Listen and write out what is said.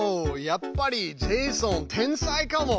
やっぱりジェイソン天才かも。